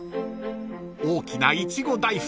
［大きないちご大福